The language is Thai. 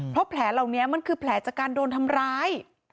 เพราะแผลเหล่านี้มันคือแผลจากการโดนทำร้าย